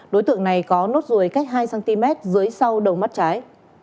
đối tượng này có nốt ruồi cách hai cm dưới sau đầu mắt trái